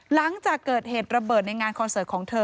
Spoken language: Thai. หลังจากเกิดเหตุระเบิดในงานคอนเสิร์ตของเธอ